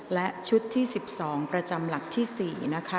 และชุดที่๑๒ประจำหลักที่๔นะคะ